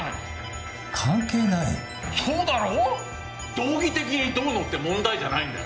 道義的にどうのって問題じゃないんだよ。